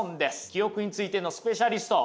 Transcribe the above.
記憶についてのスペシャリスト